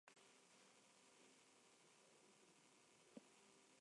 Su cabecera es la ciudad de Berisso.